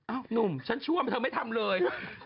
อ้าวหนุ่มฉันช้วงแต่เธอไม่ทำเลย